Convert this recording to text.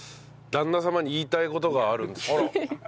旦那様に言いたい事があるんですって彩乃さんが。